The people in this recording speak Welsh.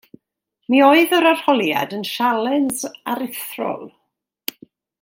Mi oedd yr arholiad yn sialens arthrol.